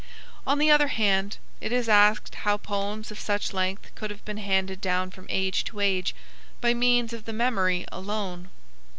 On the other hand it is asked how poems of such length could have been handed down from age to age by means of the memory alone.